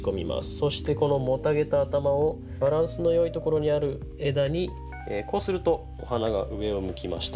そしてこのもたげた頭をバランスのよいところにある枝にこうするとお花が上を向きました。